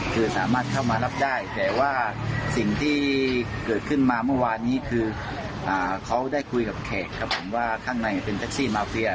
คือสามารถเข้ามารับได้แต่ว่าสิ่งที่เกิดขึ้นมาเมื่อวานนี้คือเขาได้คุยกับแขกครับผมว่าข้างในเป็นแท็กซี่มาเฟีย